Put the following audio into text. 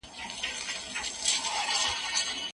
باوري خلک هیڅکله درواغ نه وايي.